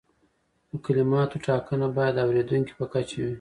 د کلماتو ټاکنه باید د اوریدونکي په کچه وي.